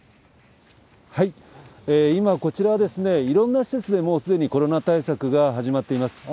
今、こちらはいろんな施設でもうすでにコロナ対策が始まっています。